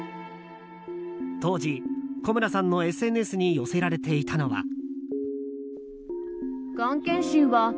当時、古村さんのＳＮＳに寄せられていたのは。